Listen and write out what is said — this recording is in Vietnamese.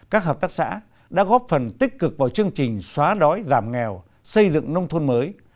các hợp tác xã đã góp phần tích cực vào chương trình xóa đói giảm nghèo xây dựng nông thôn mới